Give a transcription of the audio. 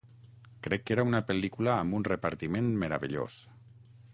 Crec que era una pel·lícula amb un repartiment meravellós.